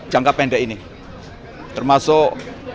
jangka pendek ini termasuk